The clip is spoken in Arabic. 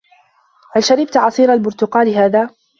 هل شربت عصير البرتقال هذا؟